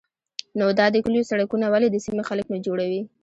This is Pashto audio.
_نو دا د کليو سړکونه ولې د سيمې خلک نه جوړوي؟